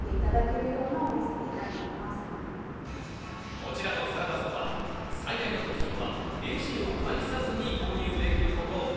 こちらのサラダストア、最大の特徴はレジを介さずに購入できること。